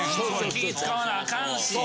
気ぃ使わなあかんしね。